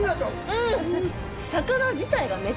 うん。